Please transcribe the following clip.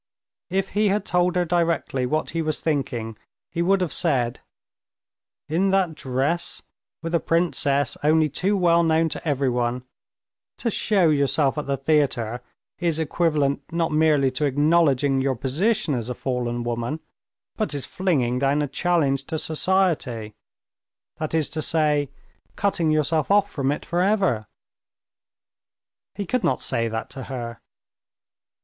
If he had told her directly what he was thinking, he would have said: "In that dress, with a princess only too well known to everyone, to show yourself at the theater is equivalent not merely to acknowledging your position as a fallen woman, but is flinging down a challenge to society, that is to say, cutting yourself off from it forever." He could not say that to her.